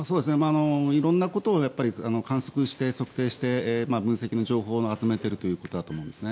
色んなことを観測して測定して分析の情報を集めているということだと思うんですね。